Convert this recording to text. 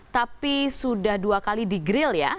tapi sudah dua kali di grill ya